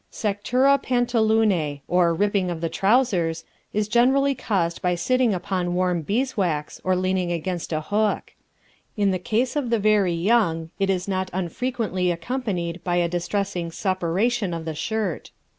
Sectura Pantalunae, or Ripping of the Trousers, is generally caused by sitting upon warm beeswax or leaning against a hook. In the case of the very young it is not unfrequently accompanied by a distressing suppuration of the shirt.